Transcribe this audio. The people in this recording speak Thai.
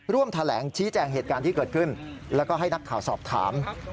ร่วมแถลงชี้แจงเหตุการณ์ที่เกิดขึ้นแล้วก็ให้นักข่าวสอบถาม